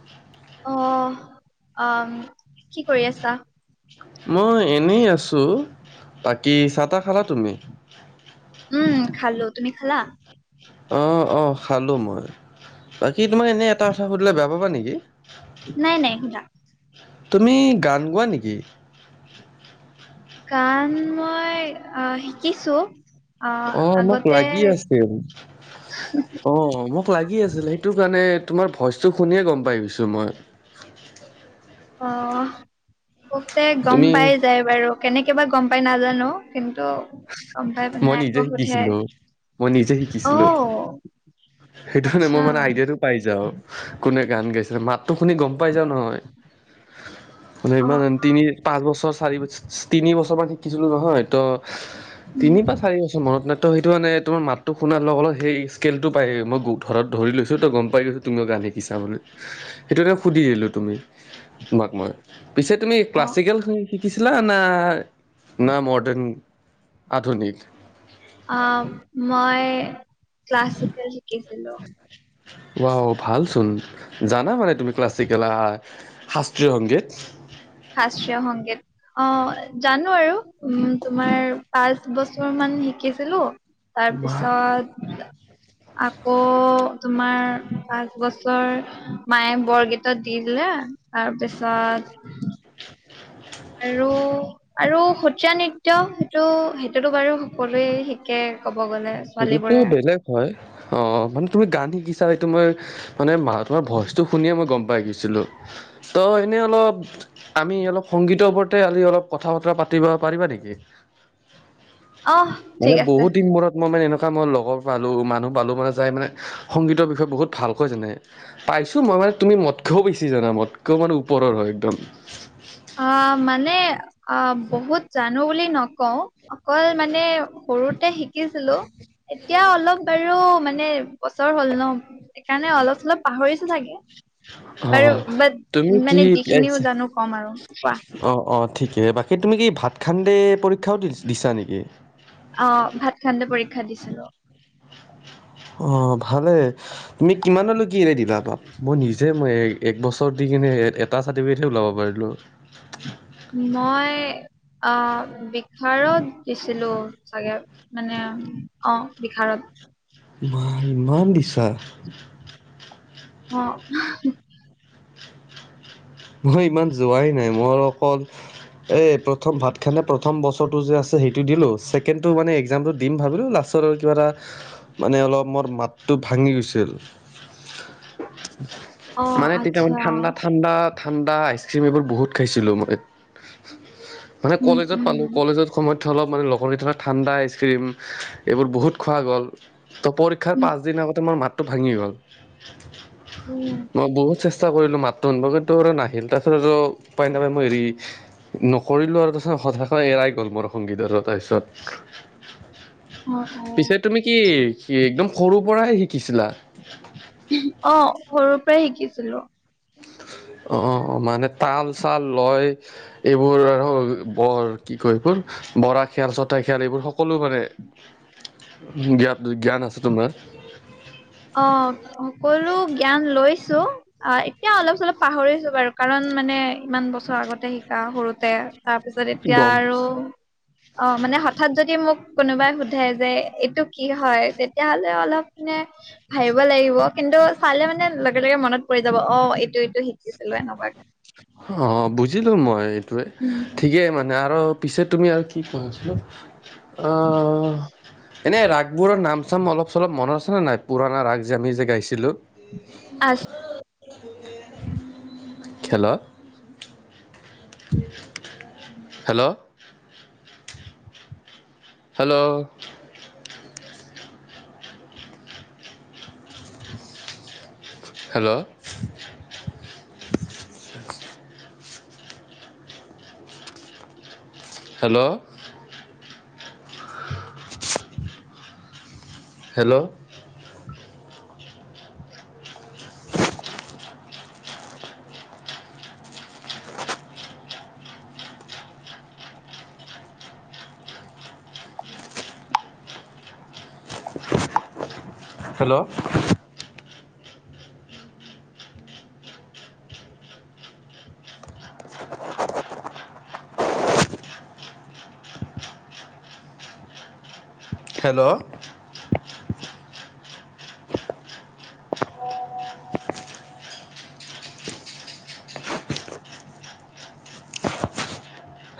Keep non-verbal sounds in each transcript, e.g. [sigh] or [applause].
[unintelligible] অ আ-ম কি কৰি আছা? মই এনেই আছো বাকী চাহ তাহ খালা তুমি? উম খালো তুমি খালা? অঁ অঁ খালোঁ মই বাকী তোমাৰ এনেই এটা কথা সুধিলে বেয়া পাবা নিকি? নাই নাই সুধা। তুমি গান গোৱা নিকি? গান মই আ শিকিছো। আ, অ' মোক আগতে লাগি আছিল। অ', মোক লাগি আছিল সেইটো কাৰণে তোমাৰ ভইচটো শুনিয়ে গম পাই গৈছো মই। অ', বহুতে গম তুমি পাই যায়‌‌। বাৰু কেনেকে বা গম পাই নাজানো, কিন্তু গম পাই পিনে মই আকৌ নিজে সোধে শিকিছিলোঁ, মই নিজে শিকিছিলোঁ। অ' সেইটো কাৰণে আচ্ছা মই মানে আইডিয়াটো পাই যাও, কোনে গান গাইছে মাতটো শুনি গম পাই যাও নহয়। মানে অ' ইমান তিনি পাঁচ বছৰ চাৰি বছৰ তিনি বছৰমান শিকিছিলোঁ নহয় ত' তিনি বা চাৰি বছৰ মনত নাই ত' সেইটো মানে তোমাৰ মাতটো শুনাৰ লগা লগ অলপ সেই স্কেলটো পাই মই [unintelligible] ধৰি লৈছোঁ ত' গম পাই গৈছো তুমিয়ো মোক গান শিকিছা বুলি। সেইটো তে সুধি দিলো তুমি, তোমাক মই, পিছে তুমি অ' ক্লাছিকেল গান শি কিছিলা না, না মডাৰ্ণ, আধুনিক। অ', মই, ক্লাছিকেল শিকিছিলোঁ। ওৱাও ভালচোন, জানা মানে তুমি ক্লাছিকেল আ শাস্ত্ৰীয় সংগীত? শাস্ত্ৰীয় সংগীত। অ', জানো আৰু উম, তোমাৰ পাঁচ বছৰ মান শিকিছিলোঁ। তাৰপিছত [unintelligible] আকৌ তোমাৰ পাঁচ বছৰ মায়ে বৰগীতৰ দি দিলে, তাৰপিছত [unintelligible] আৰু আৰু সত্ৰীয়া নৃত্য, সেইটো সেইটোতো বাৰু সকলোৱে শিকে, ক'ব গ'লে। সেইটোতো ছোৱালীবোৰে। বেলেগ হয়, অ, মানে তুমি গান শিকিছা এইটো মই মানে মা তোমাৰ ভইচটো শুনিয়ে মই গম পাই গৈছিলোঁ, ত' এনে অলপ আমি অলপ সংগীতৰ ওপৰতে আজি অলপ কথা বতৰা পাতিব পাৰিবা নেকি? অহ মানে ঠিক আছে। বহুত দিনবোৰত মই মানে এনেকুৱা মই লগৰ পালোঁ মানুহ পালোঁ মানে যাই মানে, সংগীতৰ বিষয়ে বহুত ভালকৈ জানে। পাইছোঁ মই মানে তুমি মতকেও বেছি জানা মোতকেও মানে ওপৰৰ হয় একদম। অ', মানে অ, বহুত জানো বুলি নকওঁ অকল মানে সৰুতে শিকিছিলোঁ, এতিয়া অলপ বাৰু মানে বছৰ হ'ল ন', সেইকাৰণে অলপ চলপ পাহৰিছোঁ চাগে। অ। বাৰু বাট, তুমি কি মানে যিখিনিও জানো কম আৰু। কোৱা অ', অ, ঠিকে, বাকী তুমি কি ভাত খান্দে পৰীক্ষাও দি দিছা নেকি? অ', ভাত খান্দে পৰীক্ষা দিছিলোঁ। অ', ভালে, তুমি কিমানলৈকে এৰি দিলা বা মই নিজে মই এক বছৰ দি কিনে এটা চাৰ্টিফিকেটে ওলাব পাৰিলোঁ। মই, আহ, বিসাৰত দিছিলো চাগে। মানে, অ, বিহাৰত। [unintelligible] ইমান দিছা? অ', মই ইমান যোৱাই নাই, মোৰ অকল এই প্ৰথম ভাত খান্দে প্ৰথম বছৰটো যে আছে সেইটো দিলোঁ, ছেকেণ্ডটো মানে এক্সামটো দিম ভাবিলোঁ লাষ্ট ছত কিবা এটা, মানে অলপ মোৰ মাতটো ভাঙি গৈছিল। অ মানে তেতিয়া মানে আচ্ছা ঠাণ্ডা ঠাণ্ডা ঠাণ্ডা আইচক্ৰীম এইবোৰ বহুত খাইছিলোঁ মই, মানে উম কলেজত উম পালোঁ কলেজত [unintelligible] অলপ মানে লগৰ কেইটা লগত ঠাণ্ডা আইচক্ৰীম, এইবোৰ বহুত খোৱা গ'ল। ত' পৰীক্ষাৰ উম পাঁচ দিন আগতে মোৰ মাতটো ভাঙি গ'ল। উম, মই বহুত চেষ্টা কৰিলোঁ মাতটো আনবা কাৰণে নাহিল, তাৰপিছত আৰু উপাই নাপাই মই হেৰি নকৰিলোঁ আৰু তাৰপিছত হঠাতে এৰাই গ'ল [unintelligible] তাৰপিছত অ অ পিছে তুমি কি একদম সৰু পৰাই শিকিছিলা অ' সৰুৰ পৰাই শিকিছিলো অ' অ' মানে তাল চাল লয়। এইবোৰ আৰু বৰ কি কয় এইবোৰ। বৰা শিয়াল ছটা শিয়াল এইবোৰ সকলো মানে জ্ঞান জ্ঞান আছে তোমাৰ। অ' সকলো জ্ঞান লৈছো অ' এতিয়া অলপ চলপ পাহৰিছো বাৰু। কাৰণ মানে ইমান বছৰ আগতে শিকা সৰুতে তাৰপিছত এতিয়া গম আৰু। অ' মানে হঠাৎ যদি মোক কোনোবাই সোধে যে এইটো কি হয় তেতিয়াহ'লে অলপ মানে। ভাবিব লাগিব কিন্তু চালে মানে লগে লগে মনত পৰি যাব অ' এইটো এইটো শিকিছিলো এনেকুৱাকে। অ' বুজিলো মই এইটোৱে উম ঠিকেই মানে আৰু। পিছে তুমি আৰু কি [unintelligible] আ ' এনেই ৰাগবোৰৰ নাম চাম অলপ চলপ মনত আছেনে নাই পুৰণা ৰাগ যে আমি যে গাইছিলোঁ আছে। খেলত। Hello hello hello hello hello [inaudible] hello hello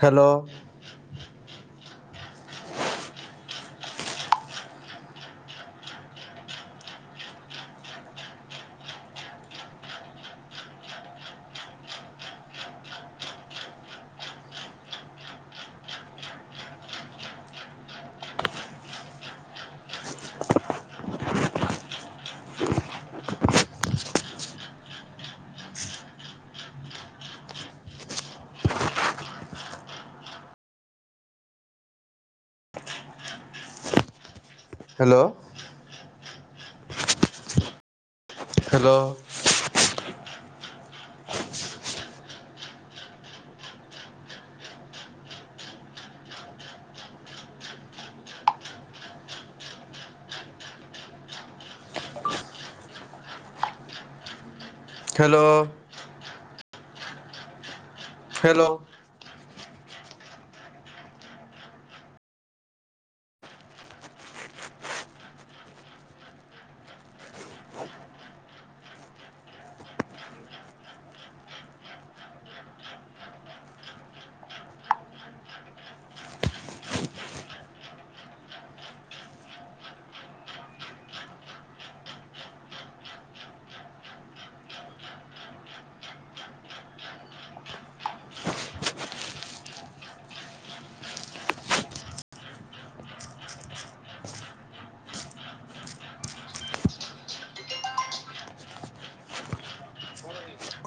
hello hello hello hello hello